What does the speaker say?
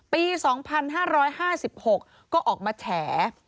ปี๒๕๕๖ก็ออกมาแฉ